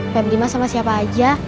pebri sama siapa aja